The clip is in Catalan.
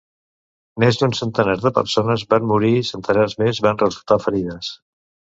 Més d'un centenar de persones van morir i centenars més van resultar ferides.